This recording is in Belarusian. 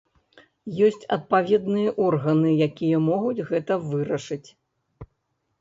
Ёсць адпаведныя органы, якія могуць гэта вырашыць.